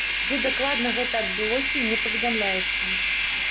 Дзе дакладна гэта адбылося, не паведамляецца.